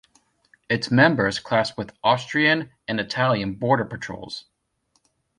Its members clashed with Austrian and Italian border patrols.